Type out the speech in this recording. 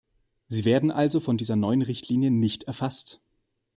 Sie werden also von dieser neuen Richtlinie nicht erfasst.